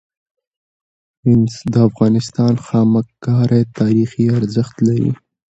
د افغانستان خامک کاری تاریخي ارزښت لري.